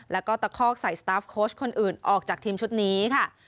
แล้วก็ตะคอกใส่สตาฟโค้ชคนอื่นออกจากทีมชุดนี้ค่ะ